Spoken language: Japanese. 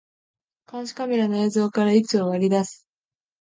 監視カメラの映像から位置を割り出す